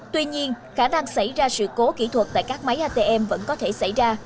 tuy nhiên khả năng xảy ra sự cố kỹ thuật tại các máy atm vẫn có thể xảy ra